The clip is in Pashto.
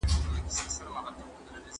د ژوند حق تر ټولو مهم دی.